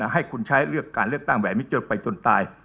ให้คุณใช้การเลือกตั้งแหวนมิจรไปจนตาย